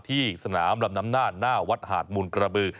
ที่สนามลำน้ำน่านหน้าวัดหาดมูลกระบือ